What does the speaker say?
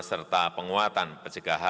serta penguatan pencegahan